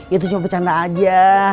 itu cuma bercanda aja